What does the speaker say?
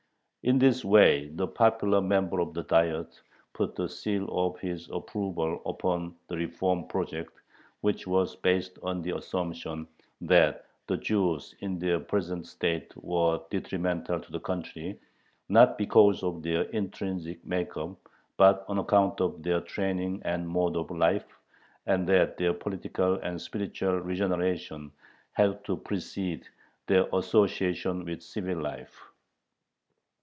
In this way the popular member of the Diet put the seal of his approval upon the reform project, which was based on the assumption that the Jews in their present state were detrimental to the country, not because of their intrinsic make up, but on account of their training and mode of life, and that their political and spiritual regeneration had to precede their association with civil life.